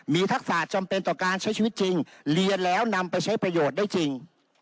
มีทักษะจำเป็นต่อการใช้ชีวิตจริงเรียนแล้วนำไปใช้ประโยชน์ได้จริง